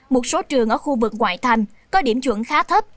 một số trường ở khu vực ngoại thành có điểm chuẩn khá thấp